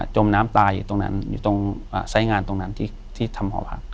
มน้ำตายอยู่ตรงนั้นอยู่ตรงสายงานตรงนั้นที่ทำหอพัก